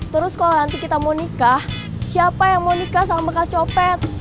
terus kalau nanti kita mau nikah siapa yang mau nikah sama bekas copet